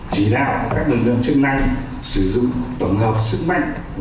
và thẩm quyền của các lực lượng như trang thiết bị của các lực lượng để tập trung vào công tác đấu tranh này